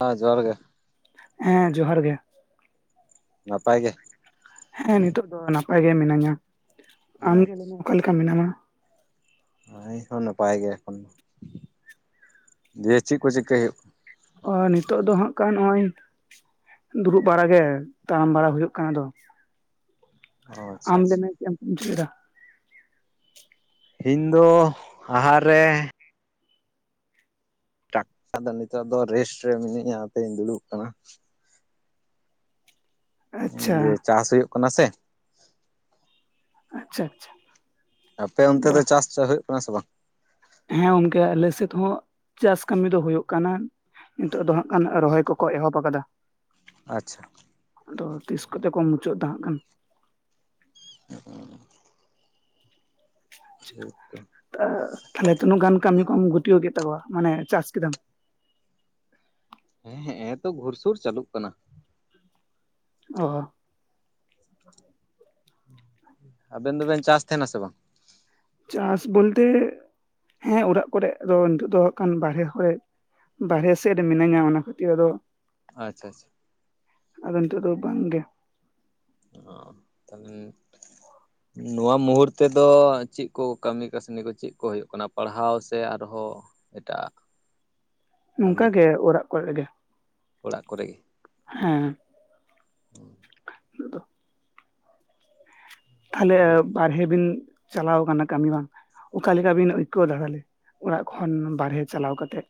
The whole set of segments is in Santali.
ᱦᱮᱸ ᱡᱚᱦᱟᱨ ᱜᱮ ᱦᱮᱸ ᱡᱚᱦᱟᱨ ᱜᱮ ᱱᱟᱯᱟᱭ ᱜᱮ ᱦᱮᱸ ᱱᱤᱛᱚᱜ ᱫᱚ ᱱᱟᱯᱟᱭ ᱜᱮ ᱢᱤᱱᱟᱹᱧᱟ ᱟᱢᱜᱮ ᱞᱟᱹᱭ ᱢᱮ ᱟᱪᱪᱷᱟ ᱚᱠᱟ ᱞᱮᱠᱟ ᱢᱮᱱᱟᱢᱟ ᱤᱧ ᱦᱚᱸ ᱱᱟᱯᱟᱭ ᱜᱮᱭᱟ ᱮᱠᱷᱚᱱ ᱫᱤᱭᱮ ᱪᱮᱫ ᱠᱚ ᱪᱤᱠᱟᱹᱭ ᱦᱩᱭᱩᱜ ᱱᱤᱛᱚᱜ ᱫᱚ ᱦᱟᱸᱜ ᱠᱟᱱ ᱱᱚᱭᱚ ᱫᱩᱲᱩᱵ ᱵᱟᱲᱟᱜ ᱜᱮ ᱛᱟᱲᱟᱢ ᱵᱟᱲᱟ ᱦᱩᱭᱩᱜ ᱠᱟᱱᱟ ᱫᱚ ᱚ ᱟᱪᱪᱷᱟ ᱟᱢ ᱟᱪᱪᱷᱟ ᱞᱮᱢᱮ ᱪᱮᱫᱮᱢ [inaudible] ᱫᱟ ᱤᱧ ᱫᱚ ᱟᱦᱟᱨ ᱨᱮ ᱴᱟᱠᱴᱟ ᱟᱫᱚ ᱱᱤᱛᱚᱜ ᱫᱚ ᱨᱮᱥᱴ ᱨᱮ ᱢᱤᱱᱟᱹᱧᱟ ᱚᱱᱟᱛᱮᱧ ᱫᱩᱲᱩᱵ ᱠᱟᱱᱟ ᱟᱪᱪᱷᱟ ᱫᱤᱭᱮ ᱪᱟᱥ ᱦᱩᱭᱩᱜ ᱠᱟᱱᱟ ᱥᱮ ᱟᱪᱪᱷᱟ ᱟᱪᱪᱷᱟ ᱟᱯᱮ ᱚᱱᱛᱮ ᱵᱟ ᱫᱚ ᱪᱟᱥ ᱪᱟ ᱦᱩᱭᱩᱜ ᱠᱟᱱᱟ ᱥᱮ ᱵᱟᱝ ᱦᱮᱸ ᱜᱚᱝᱠᱮ ᱟᱞᱮᱥᱮᱫ ᱦᱚᱸ ᱪᱟᱥ ᱠᱟᱹᱢᱤ ᱫᱚ ᱦᱩᱭᱩᱜ ᱠᱟᱱᱟ ᱱᱤᱛᱚᱜ ᱫᱚ ᱦᱟᱸᱜ ᱠᱷᱟᱱ ᱨᱚᱦᱚᱭ ᱠᱚᱠᱚ ᱮᱦᱚᱵ ᱠᱟᱫᱟ ᱟᱪᱪᱷᱟ ᱟᱫᱚ ᱛᱤᱥ ᱠᱚᱛᱮ ᱠᱚ ᱢᱩᱪᱟᱹᱫᱟ ᱦᱟᱸᱜ ᱠᱷᱟᱱ [inaudible] ᱦᱳᱭ ᱛᱚ [unintelligible] ᱛᱟᱦᱞᱮ ᱛᱤᱱᱟᱹᱜᱟᱱ ᱠᱟᱹᱢᱤ ᱠᱚᱢ ᱜᱩᱛᱟᱹᱣ ᱠᱮᱫ ᱛᱟᱠᱚᱣᱟ ᱢᱟᱱᱮ ᱪᱟᱥ ᱠᱮᱫᱟᱢ ᱦᱮᱸ [unintelligible] ᱛᱚ ᱜᱷᱩᱨᱥᱩᱨ ᱪᱟᱹᱞᱩᱜ ᱠᱟᱱᱟ [unintelligible] ᱟᱵᱮᱱ ᱫᱚᱵᱮᱱ ᱪᱟᱥ ᱛᱟᱦᱮᱱᱟ ᱥᱮ ᱵᱟᱝ ᱪᱟᱥ ᱵᱚᱞᱛᱮ ᱦᱮᱸ ᱚᱲᱟᱜ ᱠᱚᱨᱮ ᱫᱚ ᱱᱤᱛᱚᱜ ᱫᱚ ᱠᱷᱟᱱ ᱵᱟᱨᱦᱮ ᱠᱚᱨᱮᱜ ᱵᱟᱨᱦᱮ ᱥᱮᱫ ᱨᱮ ᱢᱤᱱᱟᱹᱧᱟ ᱚᱱᱟ ᱠᱷᱟᱹᱛᱤᱨ ᱟᱫᱚ ᱟᱪᱪᱷᱟ ᱟᱪᱪᱷᱟ ᱟᱫᱚ ᱱᱤᱛᱚᱜ ᱫᱚ ᱵᱟᱝᱜᱮ [inaudible] ᱛᱟᱦᱞᱮ [unintelligible] ᱱᱚᱣᱟ ᱢᱩᱦᱩᱨᱛᱮ ᱫᱚ ᱪᱮᱫ ᱠᱚ ᱠᱟᱹᱢᱤ ᱠᱟᱹᱥᱱᱤ ᱠᱚ ᱪᱮᱫ ᱠᱚ ᱦᱩᱭᱩᱜ ᱠᱟᱱᱟ ᱯᱟᱲᱦᱟᱣ ᱥᱮ ᱟᱨᱦᱚᱸ ᱮᱴᱟᱜᱟ ᱱᱚᱝᱠᱟᱜᱮ ᱚᱲᱟᱜ ᱠᱚᱨᱮᱜᱮ ᱚᱲᱟᱜ ᱠᱚᱨᱮ ᱦᱮᱸ ᱛᱟᱦᱚᱞᱮ ᱚ ᱵᱟᱨᱦᱮ ᱵᱤᱱ ᱪᱟᱞᱟᱣ ᱠᱟᱱᱟ ᱠᱟᱹᱢᱤ ᱵᱟᱝ ᱚᱠᱟᱞᱮᱠᱟ ᱵᱤᱱ ᱟᱹᱭᱠᱟᱹᱣ ᱫᱟ ᱛᱟᱦᱞᱮ ᱚᱲᱟᱜ ᱠᱷᱚᱱ ᱵᱟᱦᱨᱮ ᱪᱟᱞᱟᱣ ᱠᱟᱛᱮᱜ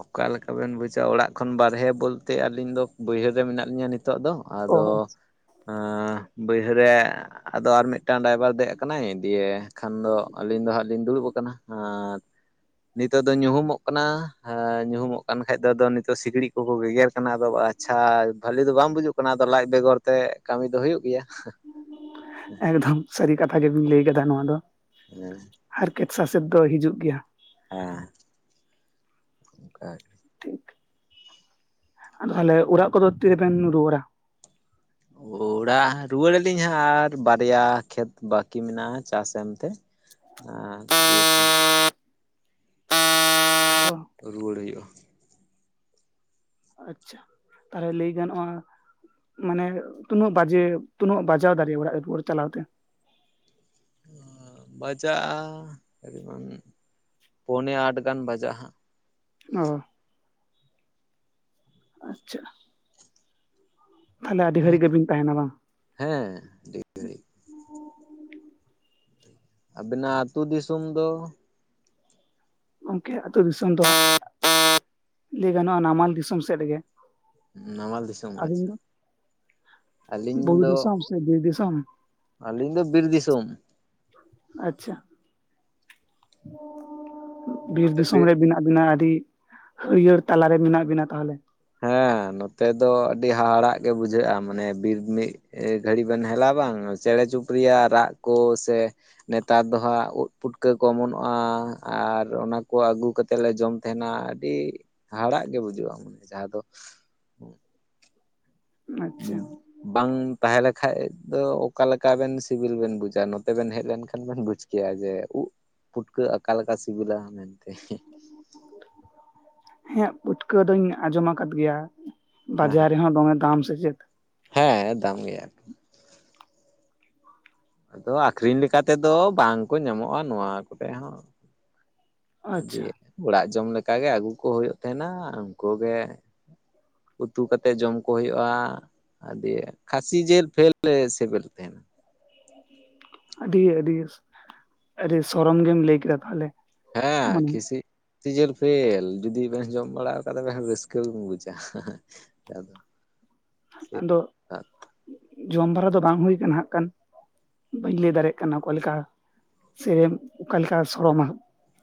ᱚᱠᱟᱞᱮᱠᱟ ᱵᱤᱱ ᱵᱩᱡᱟ. ᱚᱲᱟᱜ ᱠᱷᱚᱱ ᱵᱟᱨᱦᱮ ᱵᱚᱞᱛᱮ ᱟᱹᱞᱤᱧ ᱫᱚ ᱵᱟᱹᱭᱦᱟᱹᱲ ᱨᱮ ᱢᱮᱱᱟᱜ ᱞᱤᱧᱟᱹ ᱱᱤᱛᱚᱜ ᱫᱚ ᱟᱫᱚ ᱚ [unintelligible] ᱵᱟᱹᱭᱦᱟᱹᱲ ᱨᱮ ᱟᱫᱚ ᱟᱨ ᱢᱤᱫᱴᱟᱝ ᱰᱟᱭᱵᱟᱨ ᱫᱮᱡ ᱟᱠᱟᱱᱟᱭ ᱫᱤᱭᱮ ᱠᱷᱟᱱ ᱫᱚ ᱟᱹᱞᱤᱧ ᱫᱚ ᱦᱟᱸᱜ ᱞᱤᱧ ᱫᱩᱲᱩᱵ ᱟᱠᱟᱱᱟ ᱟᱨ ᱱᱤᱛᱚᱜ ᱫᱚ ᱧᱩᱦᱩᱢᱚᱜ ᱠᱟᱱᱟ ᱦᱮᱸ ᱧᱩᱦᱩᱢᱚᱜ ᱠᱟᱱ ᱠᱷᱟᱡ ᱫᱚ ᱟᱫᱚ ᱱᱤᱛᱚᱜ ᱥᱤᱠᱲᱤᱡ ᱠᱚᱠᱚ ᱜᱮᱜᱮᱨ ᱠᱟᱱᱟ ᱟᱫᱚ ᱟᱪᱪᱷᱟ ᱵᱷᱟᱞᱤ ᱫᱚ ᱵᱟᱝ ᱵᱩᱡᱩᱜ. ᱠᱟᱱᱟ [unintelligible] ᱟᱫᱚ ᱞᱟᱡ ᱵᱮᱜᱚᱨ ᱛᱮ ᱠᱟᱹᱢᱤ ᱫᱚ ᱦᱩᱭᱩᱜ ᱜᱮᱭᱟ ᱮᱠᱫᱚᱢ ᱥᱟᱹᱨᱤ ᱠᱟᱛᱷᱟ ᱜᱮᱵᱤᱱ ᱞᱟᱹᱭ ᱠᱟᱫᱟ ᱱᱚᱣᱟ ᱫᱚ [inaudible] ᱦᱟᱨᱠᱮᱛ ᱥᱟᱥᱮᱛ ᱫᱚ ᱦᱤᱡᱩᱜ ᱜᱮᱭᱟ [inaudible] ᱴᱷᱤᱠ ᱟᱫᱚ ᱛᱟᱦᱚᱞᱮ ᱚᱲᱟᱜ ᱠᱚᱫᱚ ᱛᱤᱨᱮᱵᱮᱱ ᱨᱩᱣᱟᱹᱲᱟ ᱚᱲᱟᱜ ᱨᱩᱣᱟᱹᱲ ᱟᱹᱞᱤᱧ ᱦᱟᱜ ᱟᱨ ᱵᱟᱨᱭᱟ ᱠᱷᱮᱛ ᱵᱟᱹᱠᱤ ᱢᱮᱱᱟᱜᱼᱟ ᱪᱟᱥ ᱮᱢ ᱛᱮ [inaudible] [unintelligible] ᱚ ᱨᱩᱣᱟᱹᱲ ᱦᱩᱭᱩᱜᱼᱟ ᱟᱪᱪᱷᱟ, ᱛᱟᱦᱚᱞᱮ ᱞᱟᱹᱭ ᱜᱟᱱᱚᱜᱼᱟ᱾ ᱢᱟᱱᱮ ᱛᱩᱱᱟᱹᱜ ᱵᱟᱡᱮ ᱛᱩᱱᱟᱹᱜ ᱵᱟᱡᱟᱣ ᱫᱟᱲᱮ ᱚᱲᱟᱜ ᱨᱩᱣᱟᱹᱲ ᱪᱟᱞᱟᱣ ᱛᱮ᱾ ᱚᱸ ᱵᱟᱡᱟᱜᱼᱟ [inaudible] ᱯᱚᱱᱮ ᱟᱴ ᱜᱟᱱ ᱵᱟᱡᱟᱜᱼᱟ ᱦᱟᱸᱜ᱾ ᱚ᱾ ᱟᱪᱪᱷᱟ᱾ ᱛᱟᱦᱟᱞᱮ ᱟᱹᱰᱤ ᱜᱷᱟᱲᱤᱡ ᱜᱮ ᱵᱤᱱ ᱛᱟᱦᱮᱸᱱᱟ ᱵᱟᱝ? ᱦᱮᱸ, ᱰᱤᱯ ᱟᱵᱤᱱᱟᱜ ᱟᱹᱛᱩ ᱫᱤᱥᱚᱢ ᱫᱚ? ᱜᱚᱢᱠᱮ ᱟᱹᱛᱩ ᱫᱤᱥᱚᱢ ᱫᱚ [unintelligible] ᱞᱟᱹᱭ ᱜᱟᱱᱚᱜᱼᱟ ᱱᱟᱢᱟᱞ ᱫᱤᱥᱚᱢ ᱥᱮᱫ ᱜᱮ᱾ ᱱᱟᱢᱟᱞ ᱫᱤᱥᱚᱢ ᱠᱚ ᱟᱪᱪᱷᱟ᱾ ᱟᱹᱞᱤᱧ ᱵᱩᱨᱩ ᱫᱤᱥᱚᱢ ᱥᱮ ᱵᱤᱨ ᱫᱤᱥᱚᱢ? ᱟᱞᱤᱧ ᱫᱚ ᱵᱤᱨ ᱫᱤᱥᱚᱢ᱾ ᱟᱪᱪᱷᱟ ᱵᱤᱨ ᱫᱤᱥᱚᱢ ᱨᱮ ᱵᱮᱱᱟᱜ ᱵᱮᱱᱟᱜ ᱟᱹᱰᱤ ᱦᱟᱹᱨᱭᱟᱹᱲ ᱛᱟᱞᱟᱨᱮ ᱢᱮᱱᱟᱜ ᱵᱤᱱᱟ ᱛᱟᱦᱚᱞᱮ? ᱦᱮᱸ ᱱᱚᱛᱮ ᱫᱚ ᱟᱹᱰᱤ ᱦᱟᱦᱟᱲᱟᱜ ᱜᱮ ᱵᱩᱡᱷᱟᱹᱜᱼᱟ ᱢᱟᱱᱮ ᱵᱤᱨ ᱢᱤᱜ ᱮ ᱜᱷᱟᱹᱲᱤ ᱵᱮᱱ ᱦᱮᱞᱟ-ᱟ ᱵᱟᱝ ᱪᱮᱬᱮ ᱪᱩᱯᱨᱤᱭᱟᱜ ᱨᱟᱜ ᱠᱚ ᱥᱮ ᱱᱮᱛᱟᱨ ᱫᱚ ᱦᱟᱸᱜ ᱳᱫ ᱯᱩᱴᱠᱟᱹ ᱠᱚ ᱚᱢᱚᱱᱚᱜᱼᱟ ᱟᱨ ᱚᱱᱟᱠᱚ ᱟᱹᱜᱩ ᱠᱟ ᱛᱮ ᱞᱮ ᱡᱚᱢ ᱛᱟᱦᱮᱱᱟ ᱟᱹᱰᱤ ᱦᱟᱦᱟᱲᱟᱜ ᱜᱮ ᱵᱩᱡᱩᱜᱼᱟ᱾ ᱢᱟᱱᱮ ᱡᱟᱦᱟᱸ ᱫᱚ ᱩᱸ᱾ ᱟᱪᱪᱷᱟ ᱵᱟᱝ ᱛᱟᱦᱮᱸᱞᱮᱠᱷᱟᱡ ᱫᱚ ᱚᱠᱟᱞᱮᱠᱟᱵᱮᱱ ᱥᱤᱵᱤᱞ ᱵᱮᱱ ᱵᱩᱡᱟ ᱱᱚᱛᱮ ᱵᱮᱱ ᱦᱮᱡ ᱞᱮᱱᱠᱷᱟᱱ ᱵᱮᱱ ᱵᱩᱡᱟ᱾ ᱴᱷᱤᱠᱭᱟ ᱡᱮ ᱩᱜ ᱯᱷᱩᱴᱠᱟᱹ ᱟᱠᱟ ᱥᱤᱵᱤᱞᱟ ᱢᱮᱱᱛᱮ? ᱦᱮᱜ ᱯᱩᱴᱠᱟᱹ ᱫᱚᱧ ᱟᱸᱡᱚᱢ ᱟᱠᱟᱫ ᱜᱮᱭᱟ ᱵᱟᱡᱟᱨ ᱨᱮᱦᱚᱸ ᱫᱚᱢᱮ ᱫᱟᱢ ᱥᱮ ᱪᱮᱫ? ᱦᱮᱸ ᱫᱟᱢ ᱜᱮᱭᱟ᱾ ᱟᱫᱚ ᱟᱠᱷᱨᱤᱧ ᱞᱮᱠᱟ ᱛᱮᱫᱚ ᱵᱟᱝ ᱠᱚ ᱧᱟᱢᱚᱜᱼᱟ ᱱᱚᱣᱟ ᱠᱚᱨᱮᱡ ᱦᱚᱸ᱾ ᱟᱪᱪᱷᱟ ᱫᱤᱭᱹᱟ ᱚᱲᱟᱜ ᱡᱚᱢ ᱞᱮᱠᱟᱜᱮ ᱟᱹᱜᱩ ᱠᱚ ᱦᱩᱭᱩᱜ ᱛᱟᱦᱮᱱᱟ ᱩᱱᱠᱩ ᱜᱮ ᱩᱛᱩ ᱠᱟᱛᱮᱜ ᱡᱚᱢ ᱠᱚ ᱦᱩᱭᱩᱜᱼᱟ᱾ ᱟᱰᱤ ᱠᱷᱟᱹᱥᱤ ᱡᱮᱞ ᱯᱷᱮᱞ ᱥᱮᱵᱮᱞ ᱛᱟᱦᱮᱱᱟ᱾ [unintelligible] ᱟᱹᱰᱤ ᱟᱹᱰᱤ ᱟᱹᱰᱤ ᱥᱚᱨᱚᱢ ᱜᱮᱢ ᱞᱟᱹᱭ ᱠᱮᱫᱟ ᱛᱟᱦᱚᱞᱮ᱾ ᱦᱮᱸ ᱢᱟᱱᱮ ᱠᱷᱤᱥᱤᱜ ᱥᱤ ᱡᱮᱞ ᱯᱷᱮᱞ ᱡᱩᱫᱤ ᱵᱮᱱ ᱡᱚᱢ ᱵᱟᱲᱟ ᱟᱠᱟᱟᱱ ᱛ ᱨᱟᱹᱥᱠᱟᱹ ᱜᱮᱢ ᱵᱩᱡᱟ᱾ ᱪᱮᱠ ᱠᱟ ᱟᱫᱚ ᱟᱫᱚ ᱡᱚᱢ ᱵᱟᱨᱟ ᱫᱚ ᱵᱟᱝ ᱦᱩᱭ ᱠᱟᱱᱟ ᱦᱟᱸᱜ ᱠᱷᱟᱱ᱾ ᱵᱟᱹᱧ ᱞᱟᱹᱭ ᱫᱟᱲᱮᱜ ᱠᱟᱱᱟ ᱚᱠᱟ ᱞᱮᱠᱟ ᱥᱮᱨᱮᱢ ᱚᱠᱟᱞᱮ ᱞᱮᱠᱟ ᱥᱚᱲᱚᱢᱟ᱾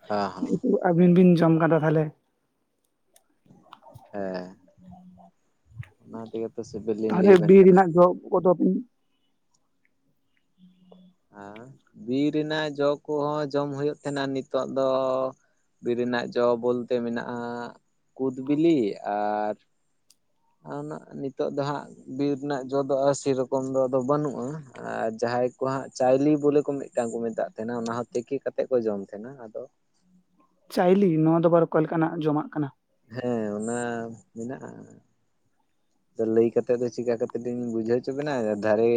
ᱦᱟᱸᱼᱦᱟᱸ᱾ ᱟᱵᱤᱱ ᱵᱤᱱ ᱡᱚᱢ ᱠᱟᱫᱟ ᱛᱟᱦᱚᱞᱮ? ᱦᱮᱸ᱾ ᱚᱱᱟ ᱛᱮᱜᱮ ᱛᱚ ᱥᱤᱵᱤᱞ ᱞᱤᱧ ᱛᱟᱦᱚᱞᱮ ᱞᱟᱹᱭ ᱟᱵᱮᱱ ᱵᱤᱨ ᱠᱟᱱᱟ ᱨᱮᱱᱟᱜ ᱡᱚᱜ ᱠᱚᱫᱚ ᱦᱟ ᱵᱤᱨ ᱨᱮᱱᱟᱜ ᱡᱚ ᱠᱚᱦᱚᱸ ᱡᱚᱢ ᱦᱩᱭᱩᱜ ᱛᱟᱦᱮᱱᱟ ᱱᱤᱛᱚᱜ ᱫᱚ ᱵᱤᱨ ᱨᱮᱱᱟᱜ ᱡᱚ ᱵᱚᱞᱛᱮ ᱢᱮᱱᱟᱜᱼᱟ ᱠᱩᱫ ᱵᱤᱞᱤ, ᱟᱨ ᱟᱨ ᱚᱱᱟ ᱱᱤᱛᱚᱜ ᱫᱚ ᱦᱟᱸᱜ ᱵᱤᱨ ᱨᱮᱱᱟᱜ ᱡᱚᱫᱚᱜᱼᱟ ᱥᱮᱨᱚᱠᱚᱢ ᱫᱚ ᱟᱫᱚ ᱵᱟᱹᱱᱩᱜᱼᱟ ᱟᱨ ᱡᱟᱦᱟᱸᱭ ᱠᱚ ᱦᱟᱸᱜ ᱪᱟᱣᱞᱤ ᱵᱚᱞᱮ ᱠᱚ ᱢᱤᱫ ᱢᱤᱫᱴᱟᱝ ᱠᱚ ᱢᱮᱛᱟᱜ ᱛᱟᱦᱮᱱᱟ ᱚᱱᱟ ᱦᱚᱸ ᱛᱤᱠᱤ ᱠᱟᱛᱮᱫ ᱠᱚ ᱡᱚᱢ ᱛᱟᱦᱮᱱᱟ ᱟᱫᱚ ᱪᱟᱭᱞᱤ ᱱᱚᱣᱟ ᱫᱚ ᱟᱵᱟᱨ ᱚᱠᱟ ᱞᱮᱠᱟᱱᱟᱜ ᱡᱚᱢᱟᱜ ᱠᱟᱱᱟ? ᱦᱮᱸ ᱚᱱᱟ ᱢᱮᱱᱟᱜᱼᱟ᱾ ᱟᱫᱚ ᱞᱟᱹᱭ ᱠᱟᱛᱮᱫ ᱫᱚ ᱪᱤᱠᱟ ᱠᱟᱛᱮ ᱞᱤᱧ ᱵᱩᱡᱷᱟᱹᱣ ᱦᱚᱪᱚᱵᱤᱱᱟ, ᱫᱷᱟᱨᱮ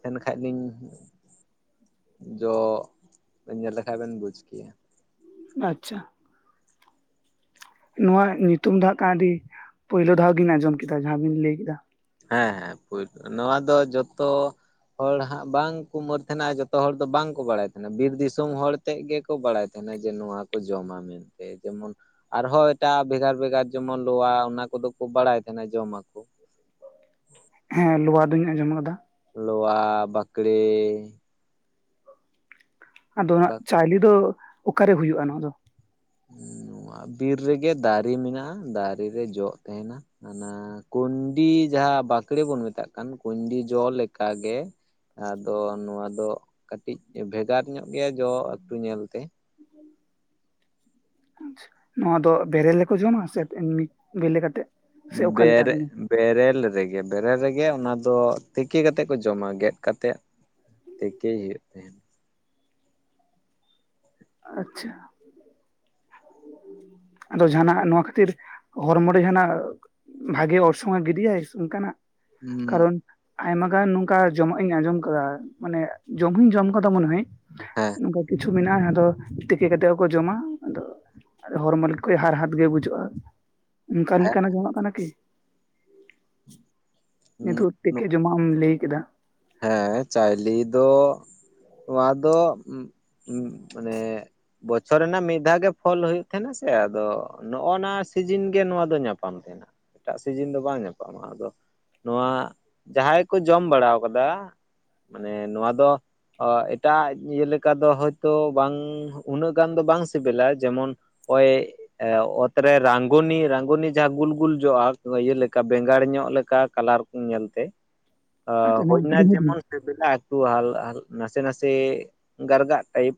ᱛᱟᱦᱮᱱ ᱠᱷᱟᱡ ᱞᱤᱧ ᱡᱚ ᱵᱮᱱ ᱧᱮᱞ ᱞᱮᱠᱷᱟᱡ ᱵᱮᱱ ᱵᱩᱡ ᱠᱮᱭᱟ᱾ ᱟᱪᱪᱷᱟ᱾ ᱱᱚᱣᱟ ᱧᱩᱛᱩᱢ ᱫᱚᱦᱟᱜ ᱠᱷᱟ ᱟᱹᱰᱤ ᱯᱳᱭᱞᱳ ᱫᱷᱟᱣ ᱜᱤᱧ ᱟᱸᱡᱚᱢ ᱠᱮᱫᱟ ᱡᱟᱦᱟᱸ ᱵᱤᱱ ᱞᱟᱹᱭ ᱠᱮᱫᱟ᱾ ᱦᱮᱸ ᱯᱳᱭᱞᱳ ᱱᱚᱣᱟ ᱫᱚ ᱡᱚᱛᱚ ᱦᱚᱲ ᱦᱟᱸᱜ ᱵᱟᱝᱠᱚ ᱢᱟᱹᱨ ᱛᱟᱦᱮᱱᱟ ᱟᱨ ᱡᱚᱛᱚ ᱦᱚᱲ ᱫᱚ ᱵᱟᱝᱠᱚ ᱵᱟᱲᱟᱭ ᱛᱟᱦᱮᱱᱟ ᱵᱤᱨ ᱫᱤᱥᱚᱢ ᱦᱚᱲ ᱛᱮᱫ ᱜᱮᱠᱚ ᱵᱟᱲᱟᱭ ᱛᱟᱦᱮᱱᱟ ᱡᱮ ᱱᱚᱣᱟ ᱠᱚ ᱡᱚᱢᱟ ᱢᱮᱱᱛᱮ ᱡᱮᱢᱚᱱ ᱟᱨᱦᱚᱸ ᱮᱴᱟᱜ ᱵᱷᱮᱜᱟᱨ ᱵᱷᱮᱜᱟᱨ ᱡᱮᱢᱚᱱ ᱞᱚᱣᱟ ᱚᱱᱟ ᱠᱚᱫᱚ ᱠᱚ ᱵᱟᱲᱟᱭ ᱛᱟᱦᱮᱱᱟ ᱡᱚᱢᱟᱠᱚ᱾ [unintelligible] ᱦᱮᱸ ᱞᱚᱣᱟ ᱫᱩᱧ ᱟᱸᱡᱚᱢ ᱟᱠᱟᱫᱟ। ᱞᱚᱣᱟ ᱵᱟᱠᱲᱮ ᱟᱫᱚ ᱵᱟ ᱱᱟᱦᱟᱜ ᱪᱟᱣᱞᱤ ᱫᱚ ᱚᱠᱟᱨᱮ ᱦᱩᱭᱩᱜᱼᱟ ᱱᱚᱣᱟ ᱫᱚ ᱱᱚᱣᱟ ᱵᱤᱨ ᱨᱮᱜᱮ ᱫᱟᱨᱮ ᱢᱮᱱᱟᱜᱼᱟ ᱫᱟᱨᱮ ᱨᱮ ᱡᱚᱜ ᱛᱟᱦᱮᱱᱟ᱾ ᱚᱱᱟ ᱠᱩᱱᱰᱤ ᱡᱟᱦᱟᱸ ᱵᱟᱠᱲᱮ ᱵᱚᱱ ᱢᱮᱛᱟᱜ ᱠᱟᱱ ᱠᱩᱱᱰᱤ ᱡᱚ ᱞᱮᱠᱟ ᱜᱮ᱾ ᱟᱫᱚ ᱱᱚᱣᱟ ᱫᱚ ᱠᱟᱹᱴᱤᱡ ᱵᱷᱮᱜᱟᱨ ᱧᱚᱜ ᱜᱮᱭᱟ ᱡᱚ ᱮᱠᱴᱩ ᱧᱮᱞᱛᱮ ᱾ ᱟᱪᱪᱷᱟ ᱱᱚᱣᱟ ᱫᱚ ᱵᱮᱨᱮᱞ ᱨᱮᱠᱚ ᱡᱚᱢᱟ ᱥᱮ ᱮᱢᱱᱤ ᱵᱤᱞᱤ ᱠᱟᱛᱮᱜ? ᱥᱮ ᱚᱠᱟᱞᱮᱠᱟ ᱵᱮᱨᱮᱜ ᱵᱮᱨᱮᱞ ᱨᱮᱜᱮ ᱵᱮᱨᱮᱞ ᱨᱮᱜᱮ ᱚᱱᱟ ᱫᱚ ᱛᱤᱠᱤ ᱠᱟᱛᱮᱫ ᱠᱚ ᱡᱚᱢᱟ ᱜᱮᱫ ᱠᱟᱛᱮᱫ᱾ ᱛᱮᱠᱮ ᱦᱩᱭᱩᱜ ᱜᱮᱭᱟ। ᱟᱪᱪᱷᱟ ᱟᱫᱚ ᱡᱟᱦᱟᱱᱟᱜ ᱱᱚᱣᱟ ᱠᱷᱟᱹᱛᱤᱨ ᱦᱚᱲᱢᱚ ᱨᱮ ᱡᱟᱦᱟᱱᱟᱜ ᱵᱷᱟᱜᱮ ᱚᱨᱥᱚᱝᱮ ᱜᱤᱰᱤᱭᱟᱭ ᱚᱱᱠᱟᱱᱟᱜ ᱦᱩᱸ ᱠᱟᱨᱚᱱ ᱟᱭᱢᱟ ᱜᱟᱱ ᱱᱚᱝᱠᱟ ᱡᱚᱢᱟᱜ ᱤᱧ ᱟᱸᱡᱚᱢ ᱟᱠᱟᱫᱟ ᱢᱟᱱᱮ ᱡᱚᱢ ᱦᱩᱧ ᱡᱚᱢ ᱟᱠᱟᱫᱟ ᱢᱚᱱᱮ ᱦᱚᱭ। ᱦᱮᱸ ᱱᱚᱝᱠᱟ ᱠᱤᱪᱷᱩ ᱢᱮᱱᱟᱜᱼᱟ ᱡᱟᱦᱟᱸ ᱫᱚ᱾ ᱛᱤᱠᱤ ᱠᱟᱛᱮᱫ ᱦᱚᱸᱠᱚ ᱡᱚᱢᱟ ᱟᱫᱚ ᱦᱚᱲᱢᱚ ᱦᱟᱨᱦᱟᱛ ᱜᱮ ᱵᱩᱡᱷᱟᱹᱜᱼᱟ। ᱚᱱᱠᱟ ᱞᱮᱠᱟᱱᱟᱜ ᱡᱚᱢᱟᱜ ᱠᱟᱱᱟ ᱠᱤ? ᱱᱤᱛᱚᱜ ᱛᱤᱠᱤ ᱡᱚᱢᱟᱜ ᱮᱢ ᱞᱟᱹᱭ ᱠᱮᱫᱟ। ᱦᱮᱸ ᱪᱟᱣᱞᱤᱮ ᱫᱚ ᱱᱚᱣᱟ ᱫᱚ [unintelligible] ᱢᱟᱱᱮ ᱵᱚᱪᱷᱚᱨ ᱨᱮᱱᱟᱜ ᱢᱤᱫ ᱫᱷᱟᱣ ᱜᱮ ᱯᱷᱚᱞ ᱦᱩᱭᱩᱜ ᱛᱟᱦᱮᱸᱱᱟ ᱥᱮ ᱟᱫᱚ ᱱᱚᱜ ᱱᱚᱶᱟ ᱥᱤᱡᱤᱱ ᱜᱮ ᱱᱚᱣᱟ ᱫᱚ ᱧᱟᱯᱟᱢ ᱛᱟᱦᱮᱱᱟ ᱮᱴᱟᱜ ᱥᱤᱡᱤᱱ ᱫᱚ ᱵᱟᱝ ᱧᱟᱯᱟᱢᱼᱟ ᱟᱫᱚ ᱱᱚᱣᱟ ᱡᱟᱦᱟᱸᱭ ᱠᱚ ᱡᱚᱢ ᱵᱟᱲᱟ ᱠᱟᱫᱟ ᱢᱟᱱᱮ ᱱᱚᱣᱟ ᱫᱚ ᱚ ᱮᱴᱟᱜ ᱤᱭᱟᱹ ᱞᱮᱠᱟ ᱫᱚ ᱦᱚᱭᱛᱚ ᱵᱟᱝ ᱩᱱᱟᱹᱜ ᱜᱟᱱ ᱫᱚ ᱵᱟᱝ ᱥᱤᱵᱤᱞᱟ ᱡᱮᱢᱚᱱ ᱳᱭᱮ ᱚᱛᱨᱮ ᱨᱟᱝᱜᱚᱱᱤ ᱨᱟᱝᱜᱚᱱᱤ ᱡᱟᱦᱟᱸ ᱜᱩᱞ ᱜᱩᱞ ᱡᱚᱜᱼᱟ ᱤᱭᱟᱹ ᱞᱮᱠᱟ ᱵᱮᱸᱜᱟᱲ ᱧᱚᱜ ᱞᱮᱠᱟ ᱠᱟᱞᱟᱨ᱾ ᱤᱧ [unintelligible] ᱧᱮᱞᱛᱮ ᱟᱪ [inaudible] ᱱᱟ ᱜ [inaudible] ᱦᱤᱱ [inaudible] ᱵ [inaudible] ᱛᱚ [inaudible] ᱦᱟᱞ ᱦᱟᱞ ᱱᱟᱥᱮ ᱱᱟᱥᱮ ᱜᱟᱨᱜᱟᱜ ᱴᱟᱭᱤᱯ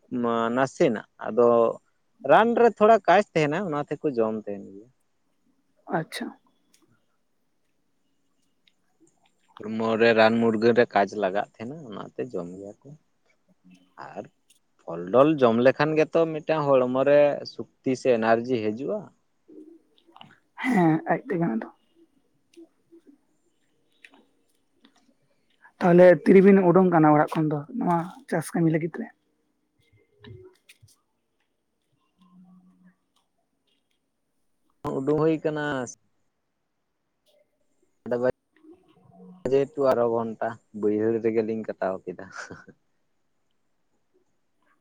ᱱᱟᱥᱮᱱᱟᱜ ᱟᱫᱚ ᱨᱟᱱ ᱨᱮ ᱛᱷᱚᱲᱟ ᱠᱟᱪ ᱛᱟᱦᱮᱱᱟ ᱚᱱᱟ ᱛᱮᱠᱚ ᱡᱚᱢ ᱫᱮ ᱟᱪᱪᱷᱟ ᱦᱚᱲᱢᱚ ᱨᱮ ᱨᱟᱱ ᱢᱩᱨᱜᱟᱹᱱ ᱨᱮ ᱠᱟᱡ ᱞᱟᱜᱟᱜ ᱛᱟᱦᱮᱱᱟ ᱚᱱᱟᱛᱮ ᱡᱚᱢ ᱜᱮᱭᱟ ᱠᱚ ᱟᱨ ᱼᱼ ᱯᱷᱚᱞ ᱰᱚᱞ ᱡᱚᱢ ᱞᱮᱠᱷᱟᱱ ᱜᱮᱛᱚ ᱢᱤᱫᱴᱟᱝ ᱦᱚᱲᱢᱚ ᱨᱮ ᱥᱩᱠᱛᱤ ᱥᱮ ᱮᱱᱟᱨᱡᱤ ᱦᱤᱡᱩᱜᱼᱟ। ᱦᱮᱸ ᱟᱡ ᱛᱮ ᱜᱮ ᱠᱟᱱᱟ [unintelligible] ᱫᱚ ᱾ ᱛᱟᱦᱚᱞᱮ ᱛᱤᱨᱤᱵᱤᱱ ᱩᱰᱩᱝ ᱟᱠᱟᱱᱟ ᱚᱲᱟᱜ ᱠᱷᱚᱱ ᱫᱚ ᱱᱚᱣᱟ ᱪᱟᱥ ᱠᱟᱹᱢᱤ ᱞᱟᱹᱜᱤᱫ ᱛᱮ ᱩᱰᱩᱠ ᱦᱩᱭ ᱟᱠᱟᱱᱟ, [inaudible] [inaudible] ᱡᱮᱦᱮᱛᱩ ᱟᱨᱚ [unintelligible] ᱜᱷᱚᱱᱴᱟ ᱵᱟᱹᱭᱦᱟᱹᱲ ᱨᱮᱜᱮᱞᱤᱧ ᱠᱟᱴᱟᱣ ᱠᱮᱫᱟ।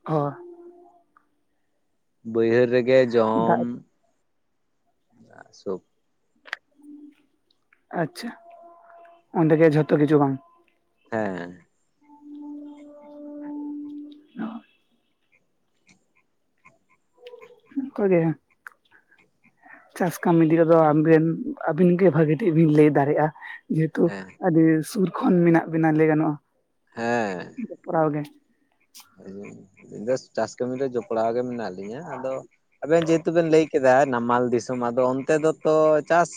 ᱦᱚ ᱵᱟᱹᱭᱦᱟᱹᱲ ᱨᱮᱜᱮ ᱫᱟᱜ ᱡᱚᱢ, ᱥ [inaudible] ᱟᱪᱪᱷᱟ ᱚᱱᱰᱮ ᱜᱮ ᱡᱷᱚᱛᱚ ᱠᱤᱪᱷᱩ ᱵᱟᱝ? ᱦᱮᱸ ᱚ [unintelligible] ᱚᱱᱠᱟ ᱜᱮ ᱪᱟᱥ ᱠᱟᱹᱢᱤ ᱤᱫᱤ ᱠᱟᱛᱮ ᱫᱚ ᱟᱵᱤᱱ, ᱟᱹᱵᱤᱱ ᱜᱮ ᱵᱷᱟᱹᱜᱤ ᱴᱷᱤᱠ ᱵᱤᱱ ᱞᱟᱹᱭ ᱫᱟᱲᱮᱜᱼᱟ। ᱡᱮᱦᱮᱛᱩ ᱦᱮᱸ ᱟᱹᱰᱤ ᱥᱩᱨ ᱠᱷᱚᱱ ᱢᱮᱱᱟᱜ ᱵᱮᱱᱟ ᱞᱟᱹᱭ ᱜᱟᱱᱚᱜᱼᱟ ᱡᱚᱯᱲᱟᱣ ᱜᱮ᱾ ᱟᱹᱧ [inaudible] ᱫᱚ [unintelligible] ᱪᱟᱥ ᱠᱟᱹᱢᱤ ᱨᱮ ᱡᱚᱯᱲᱟᱣ ᱜᱮ ᱢᱮᱱᱟᱜ ᱞᱤᱧᱟ ᱟᱫᱚ ᱟᱵᱮᱱ ᱡᱮᱦᱮᱛᱩ ᱵᱮᱱ ᱞᱟᱹᱭ ᱼᱼ ᱠᱮᱫᱟ ᱱᱟᱢᱟᱞ ᱫᱤᱥᱚᱢ ᱟᱫᱚ ᱚᱱᱛᱮ ᱫᱚᱛᱚ ᱪᱟᱥ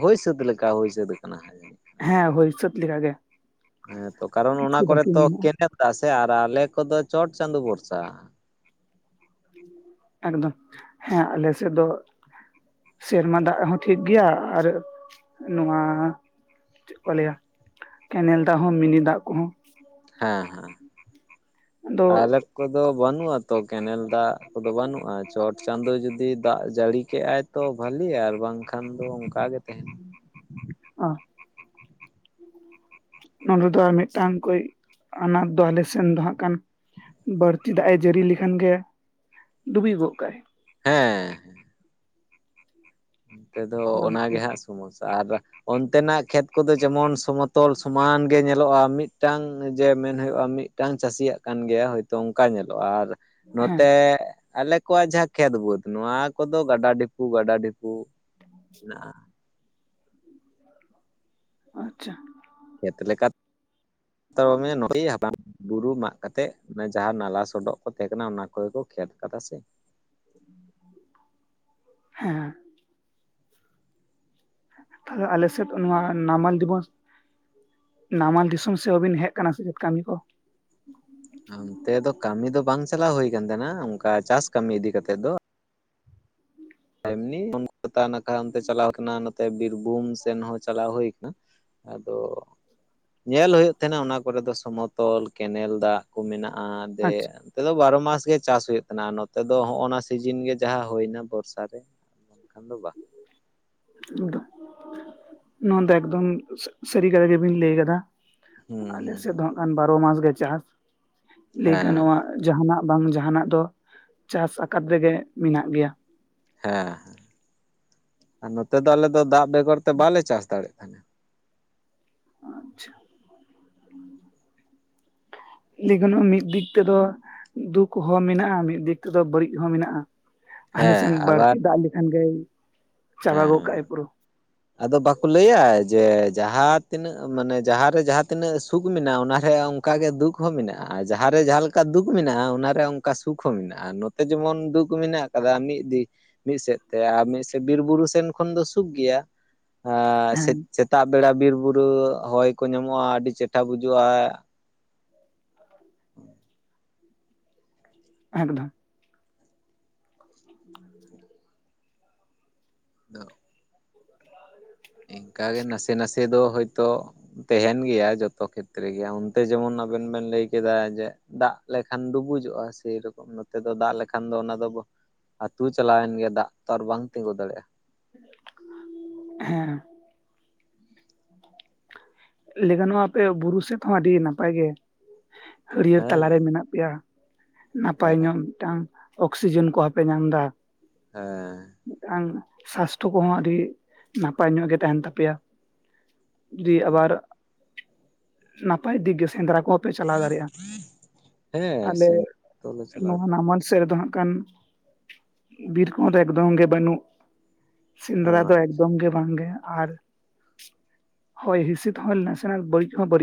ᱦᱩᱭ ᱥᱟᱹᱛ ᱞᱮᱠᱟ ᱦᱩᱭ ᱥᱟᱹᱛ ᱟᱠᱟᱱᱟ ᱦᱟᱸᱜ। ᱦᱮᱸ ᱦᱩᱭ ᱥᱟᱹᱛ ᱞᱮᱠᱟ ᱜᱮ। ᱦᱮᱸ ᱛᱚ ᱠᱟᱨᱚᱱ ᱚᱱᱟ ᱠᱚᱨᱮ ᱛᱚ ᱢᱮᱱᱟᱜᱼᱟ ᱠᱮᱱᱮᱞ ᱫᱟᱜ ᱥᱮ ᱟᱨ ᱟᱞᱮ ᱠᱚᱫᱚ ᱪᱚᱴ ᱪᱟᱸᱫᱳ ᱵᱷᱚᱨᱥᱟ। ᱮᱠᱫᱚᱢ ᱦᱮᱸ ᱟᱞᱮ ᱥᱮᱫ ᱫᱚ ᱼᱼ ᱥᱮᱨᱢᱟ ᱫᱟᱜ ᱨᱮᱦᱚᱸ ᱴᱷᱤᱠ ᱜᱮᱭᱟ ᱟᱨ ᱱᱚᱣᱟ ᱪᱮᱫ ᱠᱚ ᱞᱟᱹᱭᱟ ᱠᱮᱱᱮᱞ ᱫᱟᱜ ᱦᱚᱸ ᱢᱤᱱᱤ ᱫᱟᱜ ᱠᱚᱦᱚᱸ ᱦᱮᱸ ᱟᱫᱚ ᱟᱞᱮ ᱠᱚᱫᱚ ᱵᱟᱹᱱᱩᱜᱼᱟ ᱛᱚ ᱛᱚ ᱠᱮᱱᱮᱞ ᱫᱟᱜ ᱠᱚᱫᱚ ᱵᱟᱹᱱᱩᱜᱼᱟ ᱪᱚᱴ ᱪᱟᱸᱫᱚ ᱡᱩᱫᱤ ᱫᱟᱜ ᱡᱟᱹᱲᱤ ᱠᱚ ᱠᱮᱜᱼᱟᱭ ᱛᱚ ᱵᱷᱟᱞᱤ ᱟᱨ ᱵᱟᱝ ᱠᱷᱟᱱ ᱫᱚ ᱚᱱᱠᱟ ᱜᱮ ᱛᱟᱦᱮᱸᱱᱟ ᱚ ᱱᱚᱰᱮ ᱫᱚ ᱟᱨ ᱢᱤᱫ ᱴᱟᱝ ᱠᱚᱡ ᱟᱱᱟᱴ ᱫᱚ ᱟᱞᱮ ᱥᱮᱱ ᱫᱚᱦᱟᱜ ᱠᱟᱱ ᱵᱟᱹᱲᱛᱤ ᱫᱟᱜ ᱮ ᱡᱟᱹᱲᱤ ᱞᱮᱠᱷᱟᱱ ᱜᱮ ᱰᱩᱵᱤ ᱜᱚᱫ ᱠᱟᱜᱼᱟᱭ ᱦᱮᱸ ᱦᱮᱸᱻᱮᱸ ᱱᱚᱛᱮ ᱫᱚ ᱚᱱᱟ ᱚᱱᱟᱜᱮ ᱢᱤᱫᱴᱮᱱ ᱦᱟᱸᱜ ᱥᱚᱦᱚᱥᱟ ᱟᱨ ᱚᱱᱛᱮᱱᱟᱜ ᱠᱷᱮᱛ ᱠᱚᱫᱚ ᱡᱮᱢᱚᱱ ᱥᱚᱢᱚᱛᱚᱞ ᱥᱚᱢᱟᱱ ᱜᱮ ᱧᱮᱞᱚᱜᱼᱟ ᱢᱤᱫ ᱴᱟᱝ ᱡᱮ ᱢᱮᱱ ᱦᱩᱭᱩᱜᱼᱟ ᱢᱤᱫ ᱢᱤᱫᱴᱟᱝ ᱪᱟᱹᱥᱤᱭᱟᱜ ᱠᱟᱱ ᱜᱮᱭᱟ ᱦᱳᱭᱛᱚ ᱚᱱᱠᱟ ᱧᱮᱞᱚᱜᱼᱟ ᱟᱨ ᱦᱮᱸ ᱱᱚᱛᱮ ᱟᱞᱮ ᱠᱚᱣᱟᱜ ᱡᱟᱦᱟᱸ ᱠᱷᱮᱛ ᱵᱟᱹᱫᱽ ᱱᱚᱣᱟ ᱠᱚᱫᱚ ᱜᱟᱰᱟ ᱰᱷᱤᱯᱩ ᱜᱟᱰᱟ ᱰᱷᱤᱯᱩ [unintelligible] ᱟᱪᱪᱷᱟ ᱪᱮᱫ ᱞᱮᱠᱟ ᱛᱮ ᱱᱚᱭ ᱦᱟᱛ [unintelligible] ᱵᱩᱨᱩ ᱢᱟᱜ ᱠᱟᱛᱮᱜ ᱚᱱᱟ ᱡᱟᱦᱟᱸ ᱱᱟᱞᱟ ᱥᱚᱰᱚᱜ ᱠᱚ ᱛᱟᱦᱮᱸ ᱠᱟᱱᱟ ᱚᱱᱟ ᱠᱚᱜᱮ ᱠᱚ ᱠᱷᱮᱛ ᱟᱠᱟᱫᱟ ᱥᱮ [inaudible] ᱦᱮᱸ ᱛᱟᱦᱞᱮ ᱟᱞᱮ ᱥᱮᱫ ᱱᱚᱣᱟ ᱱᱟᱢᱟᱞ ᱫᱤᱵᱚᱥ ᱱᱟᱢᱟᱞ ᱫᱤᱥᱚᱢ ᱥᱮᱜ ᱦᱚᱸᱵᱤᱱ ᱦᱮᱡ ᱟᱠᱟᱱᱟ ᱥᱮᱪᱮᱫ ᱠᱟᱹᱢᱤ ᱠᱚ ᱚᱱᱛᱮ ᱫᱚ ᱠᱟᱹᱢᱤ ᱫᱚ ᱵᱟᱝ ᱪᱟᱞᱟᱣ ᱦᱩᱭ ᱠᱟᱱ ᱛᱟᱦᱮᱸᱱᱟ ᱚᱱᱠᱟ ᱪᱟᱥ ᱠᱟᱹᱢᱤ ᱤᱫᱤ ᱠᱟᱛᱮ ᱫᱚ ᱮᱢᱱᱤ ᱯᱷᱳᱠᱟᱛ ᱱᱟ [unintelligible] ᱠᱷᱷᱟ ᱚᱱᱛᱮ ᱪᱟᱞᱟᱣ ᱠᱟᱱᱟ ᱱᱚᱛᱮ ᱵᱤᱨᱵᱷᱩᱢ ᱥᱮᱱ ᱦᱚᱸ ᱪᱟᱞᱟᱣ ᱦᱩᱭ ᱠᱟᱱᱟ ᱟᱫᱚ ᱧᱮᱞ ᱦᱩᱭᱩᱜ ᱛᱟᱦᱮᱸᱱᱟ ᱚᱱᱟ ᱠᱚᱨᱮᱫᱚ ᱥᱚᱢᱚᱛᱚᱞ ᱠᱮᱱᱮᱞ ᱫᱟᱜ ᱠᱚ ᱢᱮᱱᱟᱜᱼᱟ ᱫᱮ ᱟᱪᱪᱷᱟ ᱱᱚᱛᱮ ᱫᱚ ᱵᱟᱨᱚ ᱢᱟᱥ ᱜᱮ ᱪᱟᱥ ᱦᱩᱭᱩᱜ ᱛᱟᱦᱮᱸᱱᱟ ᱱᱚᱛᱮ ᱫᱚ ᱦᱚᱜᱼᱱᱟ ᱥᱤᱡᱤᱱ ᱜᱮ ᱡᱟᱦᱟᱸ ᱦᱩᱭᱱᱟ ᱵᱚᱨᱥᱟ [unintelligible] ᱫᱚ ᱱᱚᱣᱟ ᱫᱚ ᱮᱠᱫᱚᱢ ᱥᱟᱹᱨᱤ ᱠᱟᱛᱷᱟ ᱜᱮᱵᱤᱱ ᱞᱟᱹᱭ ᱟᱠᱟᱫᱟ ᱦᱩᱸ ᱟᱞᱮ ᱦᱩᱸ ᱥᱮᱫ ᱫᱚ ᱦᱟᱸᱜ ᱠᱷᱟᱱ ᱵᱟᱨᱚ ᱢᱟᱥ ᱜᱮ ᱪᱟᱥ ᱞᱟᱹᱭ ᱦᱮᱸ ᱜᱟᱱᱚᱜᱼᱟ ᱡᱟᱦᱱᱟᱜ ᱵᱟᱝ ᱡᱟᱦᱟᱱᱟᱜ ᱫᱚ ᱪᱟᱥ ᱟᱠᱟᱫ ᱛᱮᱜᱮ ᱢᱮᱱᱟᱜ ᱜᱮᱭᱟ ᱦᱮᱸ ᱦᱮᱸ ᱟᱨ ᱱᱚᱛᱮ ᱫᱚ ᱟᱞᱮ ᱫᱚ ᱫᱟᱜ ᱵᱮᱜᱚᱨ ᱛᱮ ᱵᱟᱞᱮ ᱪᱟᱥ ᱫᱟᱲᱮᱭᱟᱜ ᱠᱟᱱᱟ ᱟᱪᱪᱷᱟ ᱞᱟᱹᱭ ᱜᱚᱱᱚᱜᱼᱟ ᱢᱤᱫ ᱫᱤᱠ ᱛᱮᱫᱚ ᱫᱩᱠ ᱦᱚᱸ ᱢᱮᱱᱟᱜᱼᱟ ᱢᱤᱫ ᱫᱤᱠ ᱛᱮᱫᱚ ᱵᱟᱹᱲᱤᱡ ᱦᱚᱸ ᱢᱮᱱᱟᱜᱼᱟ ᱟᱞᱮ ᱦᱮᱸ ᱥᱮᱱ ᱵᱟᱹᱲᱛᱤ ᱟᱵᱟᱨ ᱫᱟᱜ ᱞᱮᱠᱷᱟᱱ ᱜᱮᱭ ᱪᱟᱵᱟ ᱦᱮᱸ ᱜᱚᱜ ᱠᱟᱜᱼᱟᱭ ᱯᱩᱨᱟᱹ ᱟᱫᱚ ᱵᱟᱠᱚ ᱞᱟᱹᱭᱟ ᱡᱮ ᱡᱟᱦᱟᱸ ᱛᱤᱱᱟᱹᱜ ᱢᱟᱱᱮ ᱡᱟᱦᱟᱸ ᱨᱮ ᱡᱟᱦᱟᱸ ᱛᱤᱱᱟᱹᱜ ᱥᱩᱠ ᱢᱮᱱᱟᱜᱼᱟ ᱚᱱᱟᱨᱮ ᱚᱱᱠᱟ ᱜᱮ ᱫᱩᱠ ᱦᱚᱸ ᱢᱮᱱᱟᱜᱼᱟ ᱡᱟᱦᱟᱸ ᱨᱮ ᱡᱟᱦᱟᱸ ᱞᱮᱠᱟ ᱫᱩᱠ ᱢᱮᱱᱟᱜᱼᱟ ᱚᱱᱟ ᱨᱮ ᱚᱱᱠᱟ ᱥᱩᱠ ᱦᱚᱸ ᱢᱮᱱᱟᱜᱼᱟ ᱛᱮ ᱡᱮᱢᱚᱱ ᱫᱩᱠ ᱢᱮᱱᱟᱜ ᱟᱠᱟᱫᱟ ᱢᱤᱫ ᱫᱤᱠ ᱢᱤᱫ ᱥᱮᱫ ᱛᱮ ᱟᱨ ᱢᱤᱫ ᱥᱮᱫ ᱵᱤᱨ ᱵᱩᱨᱩ ᱥᱮᱱ ᱠᱷᱚᱱ ᱫᱚ ᱥᱩᱠ ᱜᱮᱭᱟ ᱦᱮᱸ ᱥᱮᱛᱟᱜ ᱵᱮᱲᱟ ᱵᱤᱨ ᱵᱩᱨᱩ ᱦᱚᱭ ᱠᱚ ᱧᱟᱢᱚᱜᱼᱟ ᱟᱹᱰᱤ ᱪᱮᱴᱷᱟ ᱵᱩᱡᱩᱜᱼᱟ ᱦᱮᱠᱫᱟ [inaudible] [inaudible] [unintelligible] ᱤᱱᱠᱟ ᱜᱮ ᱱᱟᱥᱮ ᱱᱟᱥᱮ ᱫᱚ ᱦᱳᱭ ᱛᱚ ᱛᱟᱦᱮᱸᱱ ᱜᱮᱭᱟ ᱡᱚᱛᱚ ᱠᱷᱮᱛᱨᱮ ᱜᱮ ᱚᱱᱛᱮ ᱡᱮᱢᱚᱱ ᱟᱵᱮᱱ ᱵᱮᱱ ᱞᱟᱹᱭ ᱠᱮᱫᱟ ᱡᱮ ᱫᱟᱜ ᱞᱮᱠᱷᱟᱱ ᱰᱩᱵᱩᱡᱚᱜᱼᱟ ᱥᱮᱨᱚᱠᱚᱢ ᱱᱚᱛᱮ ᱫᱚ ᱫᱟᱜ ᱞᱮᱠᱷᱟᱱ ᱫᱚ ᱚᱱᱟ ᱫᱚ ᱟᱹᱛᱩ ᱪᱟᱞᱟᱣᱮᱱ ᱜᱮᱭᱟ ᱫᱟᱜ ᱛᱚ ᱟᱨ ᱵᱟᱝ ᱛᱤᱸᱜᱩ ᱫᱟᱲᱮᱭᱟᱜᱼᱟ ᱦᱮᱸ ᱞᱟᱹᱭ ᱜᱟᱱᱚᱜᱼᱟ ᱟᱯᱮ ᱵᱩᱨᱩ ᱥᱮᱫ ᱦᱚᱸ ᱟᱹᱰᱤ ᱱᱟᱯᱟᱭ ᱜᱮ ᱦᱟᱹᱨᱭᱟᱹᱲ ᱦᱮᱸ ᱛᱟᱞᱟᱨᱮ ᱢᱮᱱᱟᱜ ᱯᱮᱭᱟ ᱱᱟᱯᱟᱭ ᱦᱮᱸ ᱧᱚᱜ ᱢᱤᱫ ᱴᱟᱝ ᱚᱠᱥᱤᱡᱮᱱ ᱠᱚᱦᱚᱸ ᱯᱮ ᱧᱟᱢᱫᱟ ᱦᱮᱸ ᱢᱤᱫᱴᱟᱝ ᱥᱟᱥᱛᱷᱚ ᱠᱚ ᱦᱚᱸ ᱟᱹᱰᱤ ᱱᱟᱯᱟᱭ ᱧᱚᱜ ᱜᱮ ᱛᱟᱦᱮᱱ ᱛᱟᱯᱮᱭᱟ ᱫᱤ ᱟᱵᱟᱨ ᱱᱟᱯᱟᱭ ᱫᱤᱠᱜᱮ ᱥᱮᱸᱫᱽᱨᱟ ᱠᱚᱵᱽ ᱯᱮ ᱪᱟᱞᱟᱣ ᱫᱟᱲᱮᱭᱟᱜ-ᱟ ᱦᱮᱸ ᱟᱞᱮ ᱥᱮᱸᱫᱽᱨᱟ ᱫᱚᱞᱮ ᱪᱟᱞᱟᱣ ᱱᱚᱦᱱᱟ ᱛᱟᱦᱮᱸ ᱢᱟᱴ ᱥᱮᱫ ᱨᱮ ᱫᱚ ᱦᱟᱸᱜ ᱠᱷᱟᱱ ᱵᱤᱨ ᱠᱚᱦᱚᱸ ᱫᱚ ᱮᱠᱫᱚᱢ ᱜᱮ ᱵᱟᱱᱩᱜ ᱥᱮᱸᱫᱽᱨᱟ ᱫᱚ ᱮᱠᱫᱚᱢ ᱜᱮ ᱵᱟᱝ ᱜᱮ ᱟᱨ ᱦᱚᱭ ᱦᱤᱸᱥᱤᱫ ᱦᱳᱭ ᱱᱟᱥᱮ ᱱᱟᱜ ᱵᱟᱹᱲᱤᱡ ᱦᱚᱸᱵᱟᱹᱲᱤᱡ